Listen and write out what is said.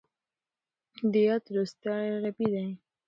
د يات روستاړی عربي دی.